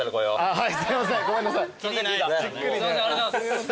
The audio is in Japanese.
はい。